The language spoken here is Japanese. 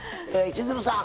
千鶴さん